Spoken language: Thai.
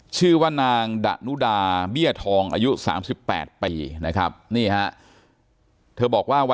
ชื่อว่านางดะนุดาเบี้ยทองอายุ๓๘ปีนะครับนี่ฮะ